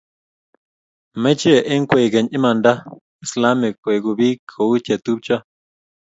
Mechei eng' kwekeny imandat islamik koleku biik kou che tupcho